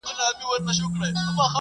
که شوروا پخه کړو نو دسترخان نه تشیږي.